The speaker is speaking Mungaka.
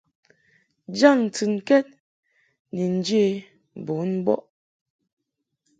Jaŋ ntɨnkɛd ni njě bun mbɔʼ.